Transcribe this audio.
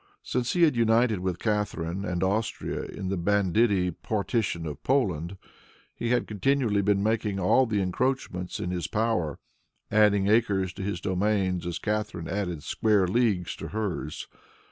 Since he had united with Catharine and Austria in the banditti partition of Poland, he had continually been making all the encroachments in his power; adding acres to his domains as Catharine added square leagues to hers.